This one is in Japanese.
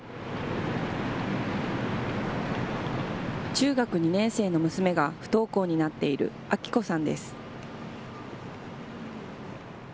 中学２年生の娘が不登校になっている明子さんです。